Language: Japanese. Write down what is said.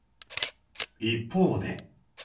一方で。